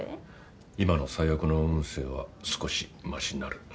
今の最悪の運勢は少しマシになる。